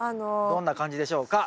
どんな漢字でしょうか？